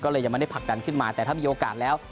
ก็เลยยังไม่ได้ผลักดันขึ้นมาแต่ถ้ามีโอกาสแล้ว